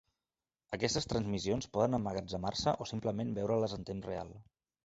Aquestes transmissions poden emmagatzemar-se o simplement veure-les en temps real.